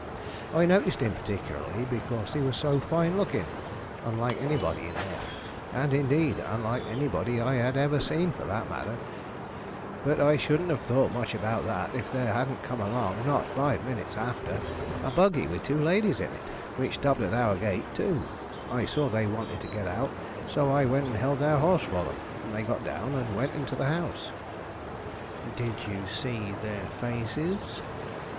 I noticed him particularly, because he was so fine looking; unlike anybody in F , and, indeed, unlike anybody I had ever seen, for that matter; but I shouldn't have thought much about that if there hadn't come along, not five minutes after, a buggy with two ladies in it, which stopped at our gate, too. I saw they wanted to get out, so I went and held their horse for them, and they got down and went into the house." "Did you see their faces?"